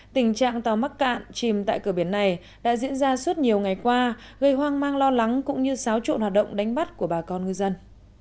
tình trạng tàu mắc cạn chìm tại cửa biển này đã diễn ra suốt nhiều ngày qua gây hoang mang lo lắng cũng như xáo trộn hoạt động đánh bắt của bà con ngư dân